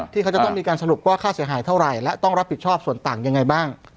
ที่เขาจะต้องมีการสรุปว่าค่าเสียหายเท่าไหร่และต้องรับผิดชอบส่วนต่างยังไงบ้าง